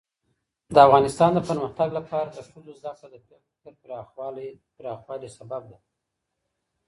د افغانستان د پرمختګ لپاره د ښځو زدهکړه د فکر پراخوالي سبب ده.